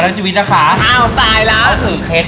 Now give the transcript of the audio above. อันนี้กาแฟเหรอ